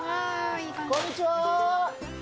こんにちは。